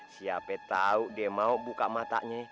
sampai tau dia mau buka matanya